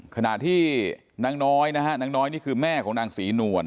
ขณะที่นางน้อยนะฮะนางน้อยนี่คือแม่ของนางศรีนวล